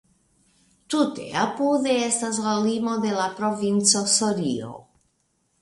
Tute apude estas la limo de la provinco Sorio.